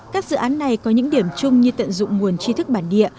các dự án này có những điểm chung như tận dụng nguồn chi thức bản địa